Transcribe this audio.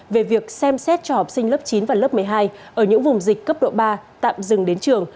về việc xem xét cho học sinh lớp chín và lớp một mươi hai ở những vùng dịch cấp độ ba tạm dừng đến trường